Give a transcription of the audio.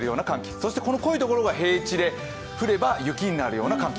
そして濃いところが、平地で降れば雪になる寒気。